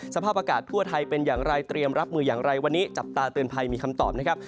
สภาพอากาศทั่วไทยเป็นอย่างไรเตรียมรับมืออย่างไรวันนี้จับตาเตือนภัยมีคำตอบนะครับ